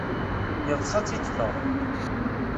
Yeḍṣa-tt-id Tom.